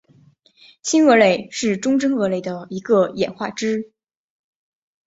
新鳄类是中真鳄类的一个演化支。